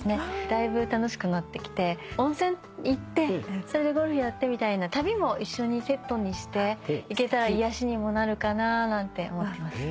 だいぶ楽しくなってきて温泉行ってそれでゴルフやってみたいな旅も一緒にセットにして行けたら癒やしにもなるかななんて思ってます。